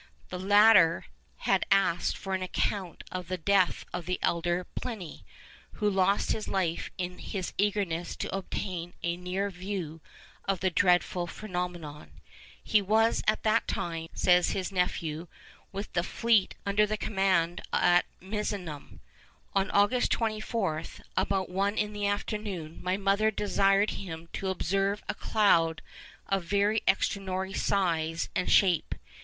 The latter had asked for an account of the death of the elder Pliny, who lost his life in his eagerness to obtain a near view of the dreadful phenomenon. 'He was at that time,' says his nephew, 'with the fleet under his command at Misenum. On August 24, about one in the afternoon, my mother desired him to observe a cloud of very extraordinary size and shape.